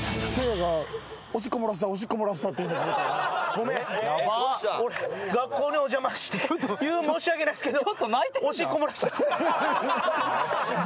ごめん俺学校にお邪魔して言うん申し訳ないっすけど。